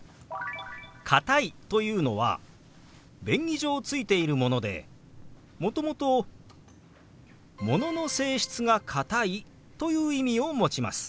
「かたい」というのは便宜上ついているものでもともと「物の性質が硬い」という意味を持ちます。